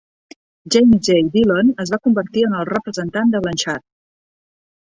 James J. Dillon es va convertir en el representant de Blanchard.